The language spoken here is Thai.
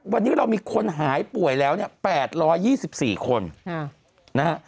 วันนี้เรามีคนหายป่วยแล้ว๘๒๔คน